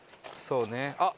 そうね。